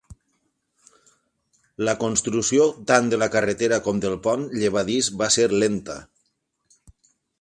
La construcció tant de la carretera com del pont llevadís va ser lenta.